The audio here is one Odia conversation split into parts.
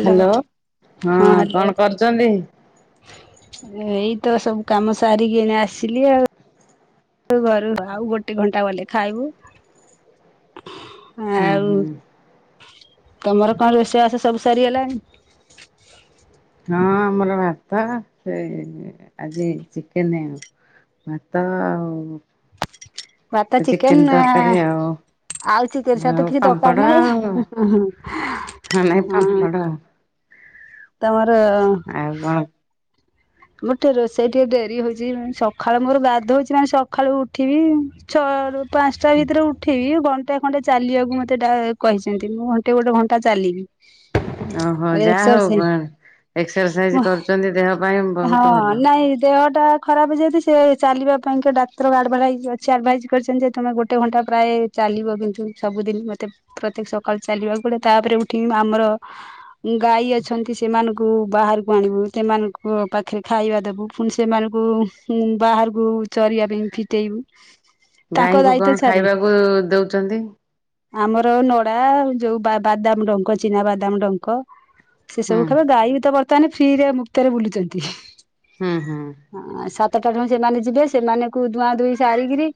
ହ୍ୟାଲୋ ହଁ କଣ କରୁଛନ୍ତି? ଏଇତ ସବୁ କାମ ସାରିକିଣି ଏଇନେ ଆସିଲି ଆଉ। [unintelligible] ଆଉ ଗୋଟେ ଘଣ୍ଟା ଗଲେ ଖାଇବୁ। ହୁଁ ଆଉ ହୁଁ। ତମର କଣ ରୋଷେଇବାସ ସବୁ ସରିଗଲାଣି? ହଁ, ଆମର ଭାତ ସେ ଆଜି ଚିକେନ ହେଇଛି। ଭାତ ଆଉ ଭାତ, ଚିକେନ୍। ଚିକେନ ତରକାରୀ ଆଉ ଚିକେନ ସହିତ ଆଉ ତ କିଛି ପାମ୍ପଡ଼ ଦରକାର ଆଉ ନାହିଁ। ହଁ ନାଇ ପାମ୍ଫଡ। ତମର ଆଉ କଣ? ମୋର ଟିକେ ରୋଷେଇ ଟିକେ ଡେରି ହଉଛି ସକାଳୁ ମୋର ଗାଧଉଛି କାରଣ ସକାଳୁ ଉଠିବି ଛଅ ରୁ ପାଞ୍ଚଟା ଭିତରେ ଉଠ ଉଠିବି ଘଣ୍ଟାଏ ଖଣ୍ଡେ ଚାଲିବାକୁ ମତେ ଡ଼ା କହିଛନ୍ତି ମୁଁ ଘଣ୍ଟେ ଗୋଟେ ଘଣ୍ଟା ଚାଲିବି। ଓହୋ ଯାହା ହଉ ଏକ୍ସରସାଇଜ କଣ ଏକ୍ସରସାଇଜ ମୁଁ କରୁଛନ୍ତି ଦେହ ପାଇଁ ହଁ ବହୁତ ଭଲ। ନାଇଁ ଦେହଟା ଖରାପ ଯେହେତୁ ସେ ଚାଲିବା ପାଇଁ ଡାକ୍ତର ଆଡଭରଟାଇଜ ଅଛି ଆଡଭାଇଜ କରିଛନ୍ତି ଯେ ତମେ ଗୋଟେ ଘଣ୍ଟା ପ୍ରାୟ ଚାଲିବ କିନ୍ତୁ ସବୁଦିନ ମତେ ପ୍ରତ୍ୟେକ ସକାଳୁ ଚାଲିବାକୁ ପଡେ ତାପରେ ଉଠିକି ଆମର ଗାଈ ଅଛନ୍ତି ସେମାନଙ୍କୁ ବାହାରକୁ ଆଣିବୁ ସେମାନଙ୍କ ପାଖରେ ଖାଇବା ଦେବୁ ପୁଣି ସେମାନଙ୍କୁ ବାହାରକୁ ଚରିବା ପାଇଁ ଫିଟେଇବୁ। ତାଙ୍କ ଗାଈଙ୍କୁ ଦାୟିତ୍ୱ କଣ ଛାରି ଖାଇବାକୁ ଦଉଛନ୍ତି। ଆମର ନଡା ଯୋଉ ବାଦାମ ଡଙ୍କ ଚିନା ବାଦାମ ଡଙ୍କ। ସେ ହୁଁ ସବୁ ଖାଇବେ ଗାଈ ବିତ ବର୍ତ୍ତମାନ ଫ୍ରିରେ ମୁକ୍ତରେ ବୁଲୁଛନ୍ତି। ହୁଁ ହୁଁ। ହଁ ସାତଟାଠୋଉଁ ସେମାନେ ଯିବେ ସେମାନଙ୍କୁ ଦୁହାଁ ଦୁହିଁ ସାରିକିରି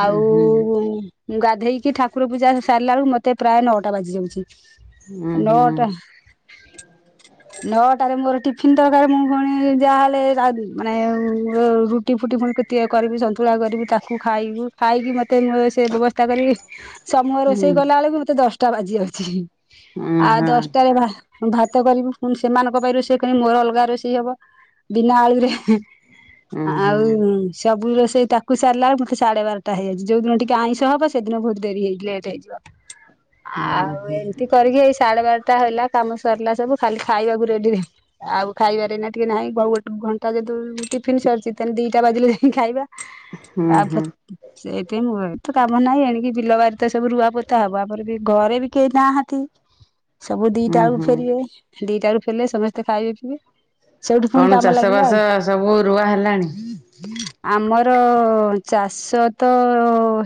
ଆଉ ହୁଁ ମୁଁ ଗାଧେଇକି ଠାକୁର ପୂଜା ସାରିଲା ବେଳକୁ ମତେ ପ୍ରାୟ ନଅଟା ବାଜି ଯାଉଛି। ହୁଁ ନଅଟା ହୁଁ ନ ଟାରେ ମୋର ଟିଫିନ୍ ଦରକାର ମୁଁ ପୁଣି ଯାହାହେଲେ ମାନେ ରୁ ରୁଟି ଫୁଟି ପୁଣି କେତେକ କରିବି ସନ୍ତୁଳା କରିବି ତାକୁ ଖାଇବୁ ଖାଇକି ମତେ ମୁଁ ସେ ବ୍ୟବସ୍ଥା କରିକି ସମୂହ ହୁଁ। ରୋଷେଇ କଲା ବେଳକୁ ମତେ ଦଶଟା ବାଜି ଯାଉଛି ହୁଁ ଆଉ ହଁ ଦଶଟାରେ ଭାତ କରିବୁ ପୁଣି ସେମାନଙ୍କ ପାଇଁ ରୋଷେଇ କରିବି ମୋର ଅଲଗା ରୋଷେଇ ହବ ବିନା ଆଳୁରେ। ହୁଁ ହୁଁ ଆଉଁ ସବୁ ରୋଷେଇ ତାକୁ ସାରିଲାବେଳକୁ ମତେ ସାଢେ ବାରଟା ହେଇଯାଉଛି ଯୋଉ ଦିନ ଟିକେ ଆଇଁଷ ହବ ସେଦିନ ବହୁତ୍ ଡେରି ହେଇ ଲେଟ୍ ହେଇଯିବ। ହୁଁ ଆଉ ହୁଁ। ଏମିତି କରିକି ଏଇ ସାଢେ ବାରଟା ହେଲା କାମ ସରିଲା ସବୁ ଖାଲି ଖାଇବାକୁ ଡେରିରେ ଆଉ ଖାଇବାରେ ନା ଟିକେ ନାହିଁ ଗୋଟେ ଘଣ୍ଟା ଯଦି ଟିଫିନ୍ ସରୁଛି ତାହାଲେ ଦି ଦିଟା ବାଜିଲେ ଯାଇଁ ଖାଇବା ହୁଁ ହୁଁ [unintelligible] ସେଇଥିପାଇଁ ମୁଁ କହେ କିତ କାମ ନାହିଁ ଏଣିକି ବିଲବାରି ତ ସବୁ ରୁଆ ପୋତା ହବ ଆମର ବି ଘରେ ବି କେହି ନାହାନ୍ତି। [inaudible] ସବୁ ହୁଁ ଦିଟା ବେଳକୁ ହୁଁ ଫେରିବେ, ଦିଟା ବେଳକୁ ଫେରିଲେ ସମସ୍ତେ ଖାଇବେ ପିଇବେ ସେଇଠୁ ପୁଣି କଣ କାମ ଚାଷ ଲାଗିଲା ଆଉ। ବାସ ସବୁ ରୁଆ ହେଲାଣି? ଆମର ଚାଷ ତ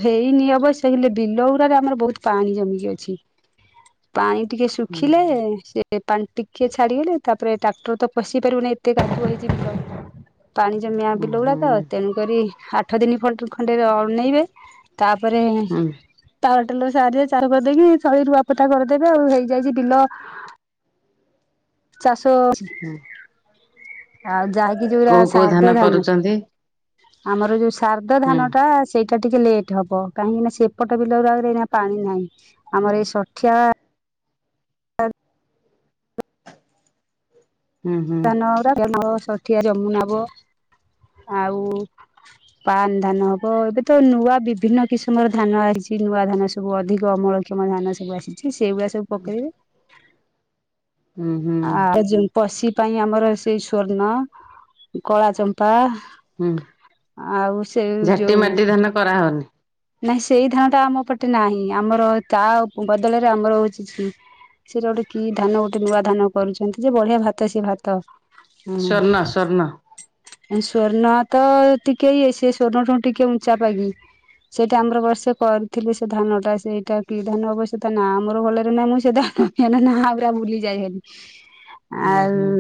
ହେଇନି ଅବଶ୍ୟ ହେଲେ ବିଲ ଗୁରାରେ ଆମର ବହୁତ୍ ପାଣି ଜମିକି ଅଛି। [inaudible] ପାଣି ଟିକେ ହୁଁ ଶୁଖିଲେ ହୁଁ ସେ ପାଣି ଟିକେ ଛାଡିଗଲେ ତାପରେ ଟ୍ରାକ୍ଟର ତ ପଶି ପାରିବନି ଏତେ କାଦୁଅ ହେଇଛି ବିଲରେ। ପାଣି ଜମିଆ ବିଲ ଗୁଡାତ ହୁଁ ତେଣୁକରି ଆଠ ଦିନ ଖଣ୍ଡେ ଅନେଇବେ। ତାପରେ ହୁଁ [unintelligible] ଦେଇକି ସବୁ ରୁଆପୋତା କରିଦେବେ ଆଉ ହେଇଯାଇଛି ବିଲ। ଚାଷ ହୁଁ ଆଉ ଅଛି ନାଯୋଉରା କୋଉ କୋଉ ସାରଧ ଧାନ କରୁଛନ୍ତି? ଆମର ଯୋଉ ସାରଧ ହୁଁ ଧାନ ଟା ସେଇଟା ଟିକେ ଲେଟ୍ ହବ କାହିଁକି ନା ସେପଟ ବିଲ ଗୁରାକରେ ଏଇନା ପାଣି ନାହିଁ ଆମର ଏଇ ସଠିଆ [inaudible] ହୁଁ ହୁଁ ଧାନଗୁରା ଆମର ସଠିଆ ଜମି ନବ ଆଉ ପାନ୍ ଧାନ ହବ ଏବେ ତ ନୂଆ ବିଭିନ୍ନ କିସମର ଧାନ ଆସ୍ ଛି ନୂଆ ଧାନ ସବୁ ଅଧିକ ଅମଳ କ୍ଷମ ଧାନ ସବୁ ଆସିଛି ସେଇଗୁରା ସବୁ ପକେଇବେ। ହୁଁ ହୁଁ ଆଉ ଯୋଉ ପଶି ପାଇଁ ଆମର ସେଇ ସ୍ଵର୍ଣ୍ଣ, କଳା ଚମ୍ପା। ହୁଁ ଆଉ ସେ ଯୋଉ କରାହବନି। ନାଇଁ ସେଇ ଧାନ ଟା ଆମ ପଟେ ନାହିଁ ଆମର ତା ବଦଳରେ ଆମର ହୋଉଛି ସେଇଟା ଗୋଟେ କି ଧାନ ଗୋଟେ ନୂଆ ଧାନ କରିଛନ୍ତି ଯେ ବଢିଆ ଭାତ ସେ ଭାତ। ସ୍ଵର୍ଣ୍ଣ ହୁଁ। ସ୍ଵର୍ଣ୍ଣ ସ୍ବର୍ଣ୍ଣ ତ ଟିକେ ଇଏ ସେ ସ୍ଵର୍ଣ୍ଣ ଠୁ ଟିକେ ଉଞ୍ଚା ପାଗିଲି। ସେଇଟା ଆମର ବର୍ଷେ କରିଥିଲି ସେ ଧାନଟା ସେଇଟା କି ଧାନ ଅବଶ୍ୟ ତା ନା ମୋର ଭଲରେ ନାହିଁ ମୁଁ ସେଟା ହେନା ନାଆଁ ବୁରା ବୁଲି ଯାଇ ହେଲି। [inaudible] ଆଉ ହୁଁ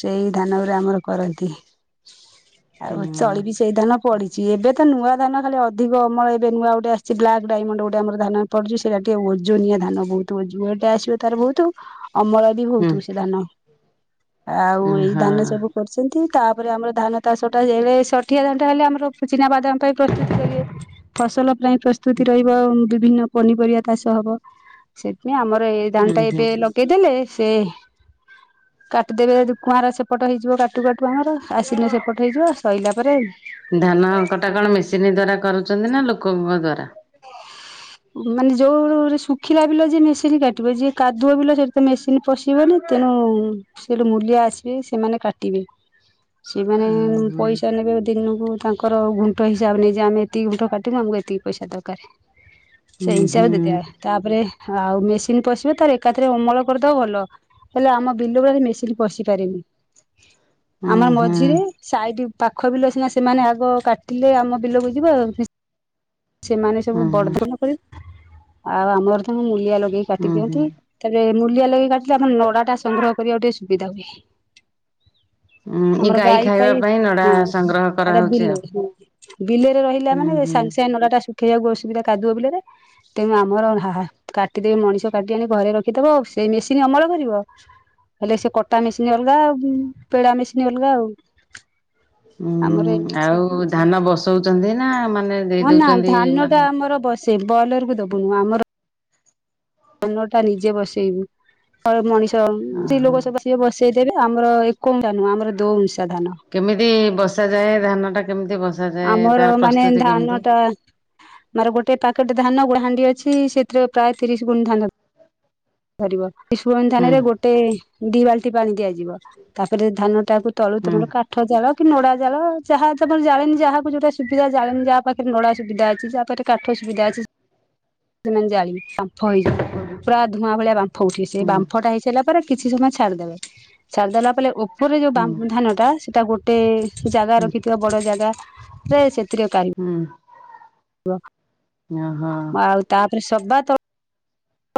ସେଇ ଧାନ ଗୁରା ଆମର କରନ୍ତି। ହୁଁ ଆଉ ଚଳିବି ସେଇ ଧାନ ପଡିଛି ଏବେ ତ ନୂଆ ଧାନ ଖାଲି ଅଧିକ ଅମଳ ଏ ଏବେ ନୂଆ ଗୋଟେ ଆସିଛି ବ୍ଲାକ୍ ଡାଇମଣ୍ଡ ଗୋଟେ ଆମ ଧାନ ପଡଛି ସେଇରା ଟିକେ ଓଜନିଆ ଧାନ ବହୁତୁ ଓଜ ୱଟେ ଆସିବ ତାର ବହୁତୁ। ଅମଳ ବି ହୁଁ ହଉଥିବ ସେ ଧାନ, ଆଉ ଏଇ ହଁ। ଧାନ ସବୁ କର୍ଚନ୍ତି ତାପରେ ଆମର ଧାନ ଚାଷଟା ଏଡେ ଷଠିଆ ଧାନଟା ହେଲେ ଆମର ଚିନାବାଦାମ ପାଇଁ ପ୍ରସ୍ତୁତ କରିବେ। ଫସଲ ପାଇଁ ପ୍ରସ୍ତୁତି ରହିବ ବିଭିନ୍ନ ପନିପରିବା ଚାଷ ହବ। ସେଥିପାଇଁ ଆମର ଏ ହୁଁ ଧାନ ଟା ହୁଁ ଏବେ ଲଗେଇଦେଲେ ସେ [inaudible] କାଟିଦେବେ କୁଆଁର ସେପଟ ହେଇଯିବ କାଟୁ କାଟୁ ଆମର ଆସିନ ସେପଟ ହେଇଯିବ ସଇଲା ପରେ ଧାନ କଟା କଣ ମେସିନ୍ ଦ୍ଵାରା କରୁଚନ୍ତି ନା ଲୋକଙ୍କ ଦ୍ଵାରା? ମାନେ ଯୋଉ ଶୁଖିଲା ବିଲ ଯିଏ ମେସିନ କାଟିବ ଯିଏ କାଦୁଅ ବିଲ ସେଠି ତ ମେସିନ୍ ପଶିବନି ତେଣୁ ସେଠୁ ମୂଲିଆ ଆସିବେ ସେମାନେ କାଟିବେ ସେମାନେ ଉଁ ହୁଁ ପଇସା ନେବେ ବୋଧେ ଦିନକୁ ତାଙ୍କର ଗୁଣ୍ଠ ହିସାବରେ ନେଇଯିବେ ଆମେ ଏତିକି ଗୁଣ୍ଠ କାଟିବୁ ଆମକୁ ଏତିକି ପଇସା ଦରକାରେ ଉଁ ସେଇ ହୁଁ ହିସାବ ଦେଇଦବା ତାପରେ ଆଉ ମେସିନ୍ ପଶିବ ତାର ଏକାଥରେ ଅମଳ କରିଦବ ଭଲ ହେଲେ ଆମ ବିଲ ବାଡି ମେସିନ୍ ପଶି ପାରେନି [inaudible] ଆମର ହୁଁ ମଝିରେ ସାଇଡ ପାଖ ବିଲ ସିନା ସେମାନେ ଆଗ କାଟିଲେ ଆମ ବିଲକୁ ଯିବ ସେମାନେ ସବୁ ଉଁ ବଡ ହୁଁ ଧାନ କରି ଆଉ ଆମରତ ତାଙ୍କୁ ମୂଲିଆ ଲଗେଇକି କାଟି ଉଁ ହୁଁ। ଦିଅନ୍ତି ତାପରେ ମୂଲିଆ ଲଗେଇକି କାଟିଲେ ଆମର ନଡା ଟା ସଂଗ୍ରହ କରିବାକୁ ଟିକେ ସୁବିଧା ହୁଏ ଉଁ ଏଇ ଆମର ଗାଈ ଖାଇବା ପାଇ ପାଇଁ ନଡା ହଁ ସଂଗ୍ରହ ଆଟା କରାହଉଛି ଆଉ। ବିଲେଇ ହଁ ବିଲେରେ ରହିଲା ହୁଁ ମାନେ ହୁଁ। ସାଙ୍ଗ ସାଙ୍ଗେ ନଡା ଟା ଶୁଖେଇବାକୁ ଅସୁବିଧା କାଦୁଅ ବିଲରେ ତେଣୁ ଆମର ହା ହା କାଟିଦେବ ମଣିଷ କାଟି ଆଣି ଘରେ ରଖିଦବ ସେଇ ମେସିନ୍ ଅମଳ କରିବ ହେଲେ ସେ କଟା ମେସିନ୍ ଅଲଗା ଆଉ ପେଡା ମେସିନି ଅଲଗା ଆଉ ଆମର ହୁଁ ଏମିତି ଆଉ ସବୁ ଧାନ ବସଉଚନ୍ତି ନା ମାନେ ଦେଇ ଅନା ଦଉଛନ୍ତି ଧାନ ଟା ମାନେ ଆମର ବସେଇବୁ ବଏଲର କୁ ଦବୁନୁ ଆମର ଧାନ ଟା ନିଜେ ବସେଇବୁ ତ ମଣିଷ ସେ ଓହୋ। ଲୋକ ସବୁ ବସିବେ ବସେଇ ଦେବେ ଆମର ଏକ ଅଂଶା ନୁହଁ ଆମର ଦୋ ଅଂଶା ଧାନ କେମିତି ବସାଯାଏ ଧାନ ଟା କେମିତି ବସା ଆମର ମାନେ ଧାନ ଟା ଆମର ଗୋଟେ ପାକେଟ ଧାନ ଗୋଟ ହାଣ୍ଡି ଅଛି ସେଥିରେ ପ୍ରାୟ ତିରିଶ ଗୁଣ ଧାନ ଧରିବ ବିସବନ୍ ହୁଁ ଧାନରେ ଗୋ ଟେ ଦି ବାଲଟି ପାଣି ଦିଆଯିବ ତାପରେ ଧାନ ଟାକୁ ତଳୁ ହୁଁ ତମର କା ଠ ଜାଳ କି ନଡା ଜାଳ ଯାହା ତମର ଜାଳେଣି ଯାହାକୁ ଯୋଉଟା ସୁବିଧା ଜାଳେଣି ଯାହା ପାଖରେ ନଡା ସୁବିଧା ଅଛି ଯା ପାଖରେ କାଠ ସୁବିଧା ଅଛି ସେମାନେ ଜାଳିବେ ବାମ୍ଫ ହେଇଯିବ ପୁରା ଧୂଆଁ ଭଳିଆ ବାମ୍ଫ ଉଠିବେ ସେ ହୁଁ ବାମ୍ଫ ଟା ହେଇସାରିଲା କିଛି ସମୟ ଛାଡିଦେବେ ଛାଡିଦେଲା ପଲେ ଉପରେ ଯୋଉ ହୁଁ ବାମ୍ ଧାନ ଟା ସେଟା ଗୋ ଟେ ଜାଗା ହୁଁ ରଖିଥିବା ବଡ ଜାଗା ରେ ସେଥିରେ କାଢ଼ିବୁ ହୁଁ ଓହୋ ଆଉ ତାପରେ ସଭା ତଳ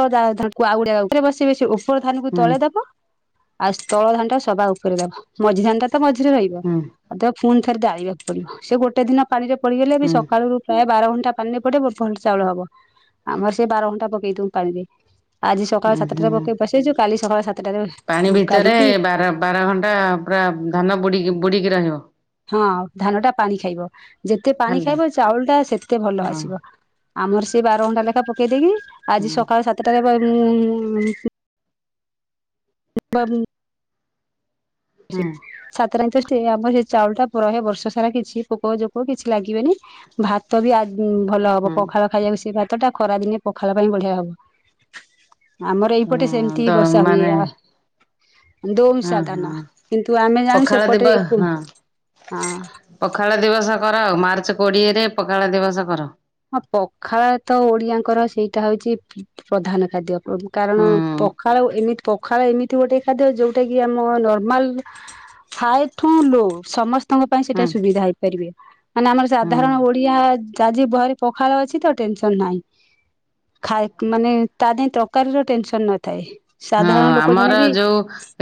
ଉପାନ ଆଉ ଗ ଉପରେ ବସିବେ ସେ ଉପର ଧାନକୁ ହୁଁ ତଳେେଇ ଦବ [unintelligible] ଆଉ ତଳ ଧାନଟା ସବା ଉପରେ ଦବ ମଝି ଧାନ ଟା ତ ମଝିରେ ରହିବ ହୁଁ ଆଉ ଦେ ଫୁଣି ଥରେ ଡାଳିବାକୁ ପଡିବ ସେ ଗୋଟେ ଦିନ ପାଣିରେ ପଡିଗଲେ ବି ହୁଁ ସକାଳୁକୁ ପ୍ରାୟେ ବାର ଘଣ୍ଟା ପାଣିରେ ପଡେ ଭଲ ଚାଉଳ ହବ ଆମର ସେ ବାର ଘଣ୍ଟା ପକେଇ ଦଉ ପାଣିରେ ଆଜି ସକାଳ ହୁଁ ସାତଟାରେ ହୁଁ। ପକେଇ ବସେଇଛୁ କାଲି ସକାଳ ସାତଟାରେ ବସିବ ପାଣି ଭିତରେ ବାର ବାର ଘଣ୍ଟା ପୁରା ଧାନ ବୁଡିକି ବୁଡିକି ରହିବ। ହଁ ଧାନଟା ପାଣି ଖାଇବ ଯେତେ ପାଣି ହ୍ୟାଲୋ ଖାଇବ ଚାଉଳ ଟା ସେତେ ଭଲ ହଁ ଆସିବ। ଆମର ସେ ବାର ଘଣ୍ଟା ଲେଖା ପକେଇଦେଇକି ହୁଁ ଆଜି ସକାଳ ସାତଟାରେ ପ ଉଁ ଉଁ [inaudible] ସେ ହୁଁ ସାତରାତି ଠିକ୍ ଆମର ସେ ଚାଉଳ ଟା ପ ରହେ ବର୍ଷ ସାରା କିଛି ପୋକ ଜୋକ କିଛି ଲାଗିବେନି। ଭାତ ବି ଆଜି ଉ ଭଲ ହବ ହୁଁ ପଖାଳ ଖାଇବାକୁ ସେ ଭାତ ଟା ଖରା ଦିନେ ପଖାଳ ପାଇଁ ବଢିଆ ହବ। ଆମର ଏଇପଟେ ହଁ ତ ସେମିତି ବର୍ଷା ହୁଏ ମାନେ ଆଉ ଦୋମ୍ ହଁ ସାଦାନ ହଁ କିନ୍ତୁ ଆମେ ଜାଣୁ ପଖାଳ ଦିବ ସେପଟେ ଏକମ୍ ହଁ ହଁ ପଖାଳ ଦିବସ କର ମାର୍ଚ୍ଚ କୋଡିଏ ରେ ପଖାଳ ଦିବସ କର। ହଁ ପଖାଳ ତ ଓଡିଆଙ୍କର ସେଇଟା ହଉଛି ପ ପ୍ରଧାନ ଖାଦ୍ୟ। କାରଣ ହୁଁ ପଖାଳ ଏମିତି ପଖାଳ ଏମିତି ଗୋଟେ ଖାଦ୍ୟ ଯୋଉଟା କିି ଆମ ନର୍ମାଲ ହାଇ ଟୁ ଲୋ ସମସ୍ତ ତମ ପାଇଁ ହୁଁ ସେଇଟା ସୁବିଧା ହେଇପାରିବେ ମାନେ ଆମର ହୁଁ ସାଧାରଣ ଓଡିଆ ଜା ଯି ବହରେ ପଖାଳ ଅଛି ତ ଟେନ୍ ସନ୍ ନାହିଁ। ଖାଇ ମାନେ ତା ଦେଇଁ ତରକାରିର ଟେନସନ୍ ନଥାଏ। ହଁ ସାଧାରଣ ଲୋକ ଜଣେ ଆମର ବି ଯୋଉ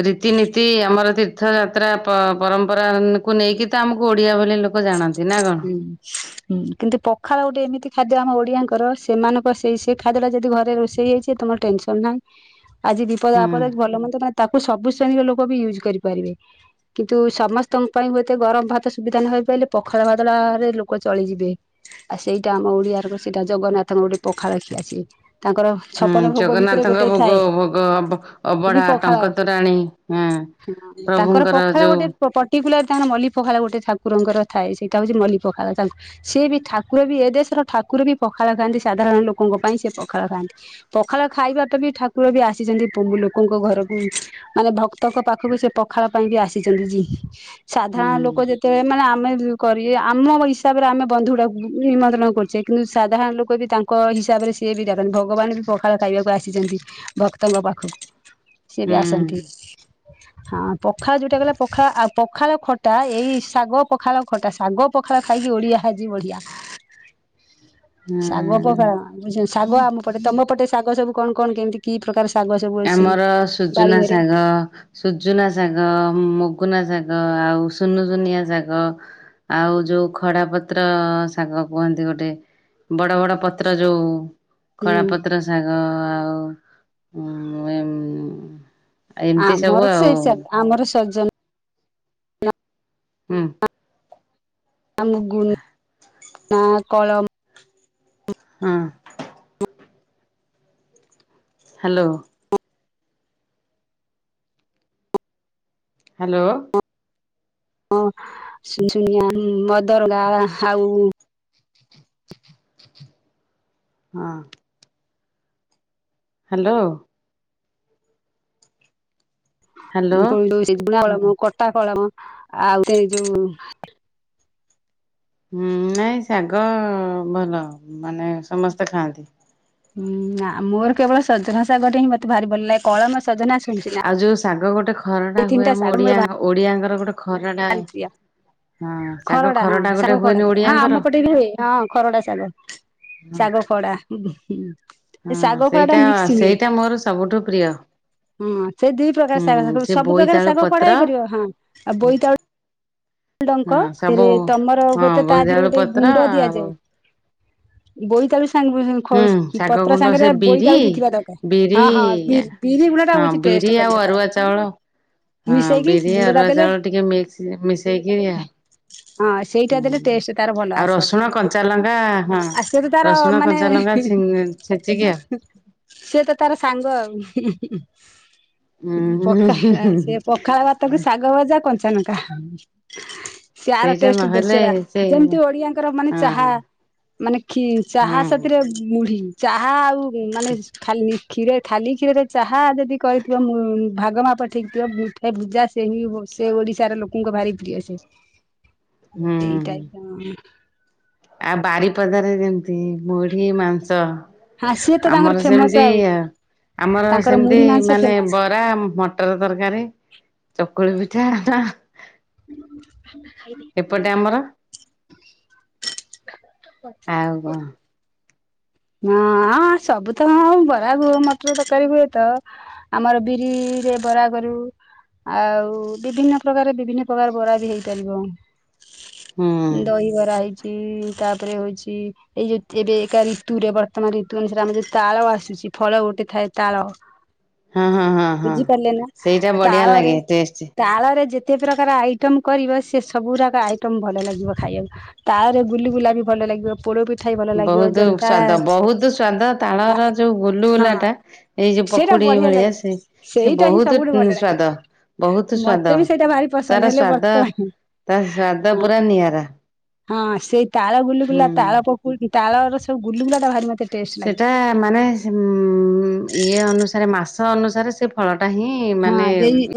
ରୀତିନୀତି ଆମର ତୀର୍ଥଯାତ୍ରା ପ ପରମ୍ପରା କୁ ନେଇକି ତ ଆମକୁ ଓଡିଆ ଭଳି ଲୋକ ଲୋକ ଜାଣନ୍ତି ନା କଣ। ହୁଁ [inaudible] ହୁଁ କିନ୍ତୁ ପଖାଳ ଗୋଟେ ଏମିତି ଖାଦ୍ୟ ଆମ ଓଡିଆଙ୍କର ସେମାନଙ୍କ ସେଇ ସେ ଖାଦ୍ୟ ଟା ଯଦି ଘରେ ରୋଷେଇ ହେଇଛି ତମର ଟେନ୍ ସନ୍ ନାହିଁ ଆଜି ବିପଦ ହୁଁ। ଆପଦ ରେ ଭଲ ମନ୍ଦ ମାନେ ତାକୁ ସବୁ ଶ୍ରେଣୀର ଲୋକ ବି ୟୁଜ୍ କରିପାରିବେ। କିନ୍ତୁ ସମସ୍ତଙ୍କ ପାଇଁ ହୁଏତ ଗରମ ଭାତ ସୁବିଧା ନହେଇ ପାରିଲେ ପଖା ପଖାଳ ଭାତଟା ରେ ଲୋକ ଚଳିଯିବେ। ଆଉ ସେଇଟା ଆମ ଓଡିଆର ସେଇଟା ଜଗନ୍ନାଥଙ୍କ ଗୋଟେ ପଖାଳ ଖିଆ ଅଛି ତାଙ୍କର ହୁଁ ଛପନ ଭୋଗ ଭିତରେ ଜଗନ୍ନାଥଙ୍କ ଗୋଟେ ଭୋଗ ଥାଏ ଭୋଗ ଅବ ବି ଅବଢା ପଖାଳ। ଟଙ୍କଟୋରାଣୀ ହୁଁ। [inaudible] ତାଙ୍କର ପଖାଳ ଗୋଟେ ପର୍ଟିକୁଲାର ତାଙ୍କର ମଲ୍ଲି ପଖାଳ ଗୋଟେ ଠାକୁରଙ୍କର ଥାଏ ସେଇଟା ହେଉଛି ମଲ୍ଲି ପଖାଳ ତାଙ୍କୁ ସିଏ ବି ଠାକୁର ବି ଏ ଦେଶର ଠାକୁର ବି ପଖାଳ ଖାଆନ୍ତି ସାଧାରଣ ଲୋକଙ୍କ ପାଇଁ ସେ ପଖାଳ ଖାଆନ୍ତି। ପଖାଳ ଖାଇବାଟା ବି ଠାକୁର ବି ଆସିଛନ୍ତି ପମୁ ଲୋକଙ୍କ ଘରକୁ। ମାନେ ଭକ୍ତଙ୍କ ପାଖକୁ ସେ ପଖାଳ ପାଇଁ ବି ଆସିଛନ୍ତି ଜି ସାଧାରଣ ହୁଁ ଲୋକ ଯେତେବେଳେ ମାନେ ଆମେ କରି ବେ ଆମ ହିସାବରେ ଆମେ ବନ୍ଧୁଡ଼ାକୁଛେ ନିମନ୍ତ୍ରଣ କରୁଛେ କିନ୍ତୁ ସାଧାରଣ ଲୋକ ବି ତାଙ୍କ ହିସାବରେ ସେ ସିଏ ବି ଦେଖନ୍ତି ଭଗବାନ ବି ପଖାଳ ଖାଇବାକୁ ଆସିଛନ୍ତି ଭକ୍ତଙ୍କ ପାଖକୁ। ସିଏ ବି ହୁଁ ଆସନ୍ତି। ହଁ ପଖାଳ ଯୋଉଟା କଲା ପଖାଳ ଆଉ ପଖାଳ ଖଟା ଏଇ ଶାଗ ପଖାଳ ଖଟା ଶାଗ ପଖାଳ ଖାଇକି ଓଡିଆ ଆଜି ବଢିଆ। ଶାଗ ହୁଁ। ପଖାଳ ବୁଝୁଛନ୍ତି ଶାଗ ଆମ ପଟେ ତମ ପଟେ ଶାଗ ସବୁ କଣ କଣ କେମିତି? କି ପ୍ରକାର ଶାଗ ସବୁ ଅଛି ବାଡ଼ି ଘରେ? ହ ସୁଜୁନା ଶାଗ, ମଗୁନା ଶାଗ, ଆଉ ସୁନୁ ସୁୁନିଆ ଶାଗ। ଆଉ ଯୋଉ ଖଡା ପତ୍ର ଶାଗ କୁହନ୍ତି ଗୋଟେ ବଡ ବଡ ପତ୍ର। ପତ୍ର ଯୋଉ ହୁଁ ଖଡା ପତ୍ର ଶାଗ ଆଉ ଉଁ ଏଁ ଏମିତି ଆମର ସବୁ ତ ଆଉ ସେଇ ଶାଗ ଆମର ସଜନ ହୁଁ। ଆମ ଗୁନ ନା କଳମ। ହଁ। ହ୍ୟାଲୋ। ହାଲୋ। ହଁ ସୁନସୁନିଆ, ମଦରଙ୍ଗା ଆଉ ହଁ। ହାଲୋ। ହ୍ୟାଲୋ ମୁଁ ଫୁଣି ଦଉଚି ବୁଣାକଳମ କଟାକଳମ ଆଉ ଏ ଯୋଉ ହୁଁ ନାଇଁ ଶାଗ ଭଲ ମାନେ ସମସ୍ତେ ଖାଆନ୍ତି। ହୁଁ ନାଁ ମୋର କେବଳ ସଜନା ଶାଗଟି ହିଁ ମତେ ଭାରି ଭଲଲାଗେ କଳମ ସଜନା ସୁନସୁନା। ଆଉ ଯୋଉ ଶାଗ ଗୋଟେ ଖରଡା ହୁଏ ଆମ ମୋର ଓଡିଆ ଓଡିଆଙ୍କର ଗୋଟେ ଖରଡା ଭାରି ପ୍ରିୟ ହଁ ଶାଗ ଖରଡା ହଁ ଗୋଟେ ଶାଗ ଖଡା ହୁଏନି ଥାଏ ହଁ ଓଡିଆଙ୍କର ଆମ ପଟେ ବି ହୁଏ ହଁ ଖରଡା ଶାଗ। ଶାଗ ଖଡା ହଁ ସେଇଟା ସେଇଟା ମୋର ସବୁଠୁ ପ୍ରିୟ। ହୁଁ ସେ ଦି ପ୍ରକାର ହୁଁ ଶାଗ ତାକୁ ସେ ସବୁ ପ୍ରକାର ବୋଇତାଳୁ ଶାଗ ପତ୍ର ଖଢା ହେଇପାରିବ ହଁ ଆଉ ବୋଇତାଳୁ ହଁ ଡଙ୍କ ରେ ସବୁ ତମର ହଁ ହୁଏତ ତା ଦିହରୁ ବୋଇତାଳୁ ଗୋଟେ ପତ୍ର ଗୁଣ୍ଡ ଆଉ ଦିଆଯାଏ। ବୋଇତାଳୁ ସାଙ୍ଗୁ ହୁଁ [inaudible] କି ଶାଗ ପତ୍ର ଗୁଣ୍ଡ ସେ ସାଙ୍ଗରେ ବିରି ବୋଇତାଳୁ ବି ଥିବା ଦରକାରେ। ବିରି ହଁ ହଁ ବିରି ବିରି ଗୁଣ୍ଡ ଟା ହଁ ହଉଚି ବିରି ଟେଷ୍ଟେ ଆଉ କରିବ ତାର। ଅରୁଆ ଚାଉଳ ହଁ ମିଶେଇକି ବିରି ଗୁଣ୍ଡ ଟା ଅରୁଆ ଦେଲେ ଚାଉଳ ଟିକେ ମିକ୍ସ ମିଶେଇକିରି ଆଉ। ହଁ ସେଇଟା ଦେଲେ ହୁଁ ଟେଷ୍ଟ ତାର ଭଲ ଆଉ ଆସେ। ରସୁଣ କଞ୍ଚାଲଙ୍କା ହଁ। ରସୁଣ କଞ୍ଚାଲଙ୍କା ଛିଙ୍ଗ୍ ହୁଁ ସିଏ ତ ତାର ସାଙ୍ଗ ଆଉ। ହୁଁ ଉଁ ପଖା ସିଏ ପଖାଳ ଭାତକୁ ଶାଗଭଜା କଞ୍ଚାନଙ୍କା। ସେ ଆର ସେଇଟା ଟେଷ୍ଟ ନହେଲେ ଦୋଶରା ସେ ଯେମତି ଓଡିଆଙ୍କର ମାନେ ହଁ ଚାହା। ମାନେ ଖି ଚାହା ହଁ ସାଥିରେ ମୁଢି ଚାହା ଆଉ ମାନେ ଖାଲି କ୍ଷୀରେ ଖାଲି କ୍ଷୀରେରେ ଚାହା ଯେଦି କରିଥିବ ମୁ ଭାଗ ମାପ ଠିକଥିବ ମୁଠେ ଭୁଜା ସେହି ସେ ଓଡିଶାର ଲୋକଙ୍କ ଭାରି ପ୍ରିୟ ସେ। ଆଉ ଏଇଟାଇପ୍ ର ଆ ବାରିପଦାରେ ଯେମତି ମୁଢି ମାଂସ। ହଁ ସିଏ ତ ତାଙ୍କର ଆମର ଫେମସ ସେମତି ଆଉ ଆ ଆମର ତାଙ୍କର ସେମତି ମୁଢି ମାଂସ ମାନେ ଫେମସ। ବରା ମ ଟର ତରକାରୀ ଚକୁଳି ପିଠା ଟା। [unintelligible] ଏପଟେ ଆମର। ଆଉ କଣ [inaudible] ହଁ ସବୁତ ହଁ ଆଉ ବରା ଘୁ ମଟର ତରକାରୀ ହୁଏତ। ଆମର ବିରିରେ ବରା କରୁ। ଆଉ ବିଭିନ୍ନ ପ୍ରକାର ବିଭିନ୍ନ ପ୍ରକାର ବରା ବି ହେଇପାରିବ। ହୁଁ ଦହିବରା ହେଇଚି ତାପରେ ହୋଇଚି ଏଇ ଯୋଉ ଏବେ କାଲି ତୁରେ ବର୍ତ୍ତମାନ ରୀତୁ ଅନୁସାରେ ଆମର ଯୋଉ ତାଳ ଆସୁଚି ଫଳ ଗୋଟେ ଥାଏ ତାଳ। ହଁ ହଁ ହଁ ହଁ ବୁଝିପାରିଲେ ନା ସେଇଟା ବଢିଆ ତାଳରେ ଲାଗେ ଟେଷ୍ଟ ତାଳରେ ଯେ ତେ ପ୍ରକାର ଆଇଟମ୍ କରିବ ସେ ସବୁଗୁରାକ ଆଇଟମ୍ ଭଲ ଲାଗିବ ଖାଇଆକୁ। ତାଳରେ ଗୁଲୁଗୁଲା ବି ଭଲ ଲାଗିବ ପୋଡପିଠା ବି ଭଲ ଲାଗିବ ବହୁତ ଯନ୍ ସ୍ଵାଦ ବହୁତୁ ସ୍ଵାଦ ତାଳର ଯୋଉ ଗୁଲୁଗୁଲା ହଁ ଟା ଏଇ ଯୋଉ ସେଇଟା ପକୁଡି ବଢିଆ ଭଳିଆ ଲାଗେ ସେ ସେ ସେଇଟା ହିଁ ବହୁତୁ ସବୁଠୁ ଉଁ ଭଲ ଲାଗେ ସ୍ଵାଦ। ବହୁତୁ ସ୍ଵାଦ ମତେ ବି ସେଇଟା ଭାରି ପସନ୍ଦ ତାର ହେଲେ ସ୍ଵାଦ ବର୍ତ୍ତମାନ ତା ସ୍ଵାଦ ହଁ ପୁରା ନିଆରା। ହଁ ସେଇ ତାଳ ହୁଁ ଗୁଲୁଗୁଲା ତାଳ ପକୁଡି ତାଳର ସବୁ ଗୁଲୁଗୁଲାଟା ଭାରି ମତେ ଟେଷ୍ଟ ଲାଗେ ସେଟା ମାନେ ସେ-ଉଁ ଇଏ ଅନୁସାରେ ମାସ ଅନୁସାରେ ସେ ଫଳଟା ହିଁ ଇଁ ହଁ ମାନେ ଏଇ